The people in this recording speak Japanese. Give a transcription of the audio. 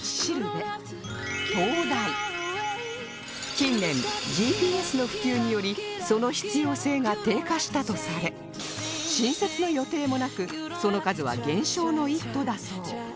近年 ＧＰＳ の普及によりその必要性が低下したとされ新設の予定もなくその数は減少の一途だそう